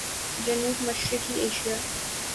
جنوب مشرقی ایشیا